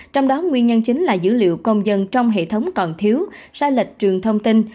trong đó nguyên nhân chính là dữ liệu công dân trong hệ thống còn thiếu sai lệch trường thông tin